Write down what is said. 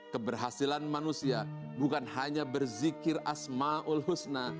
keberhasilan manusia bukan hanya berzikir asma'ul husna